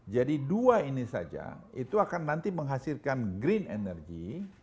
jadi dua ini saja itu akan nanti menghasilkan green energy